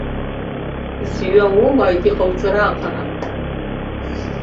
Зҩа уоуааит иҟоуҵара аҟара!